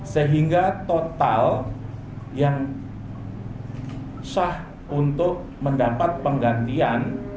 sehingga total yang sah untuk mendapat penggantian